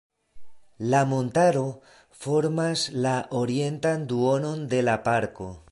La montaro formas la orientan duonon de la Parko.